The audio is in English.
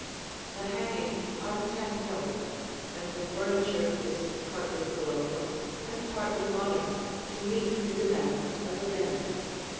The hangings are tan color, and the furniture is partly Colonial and partly modern, to meet the demands of a den.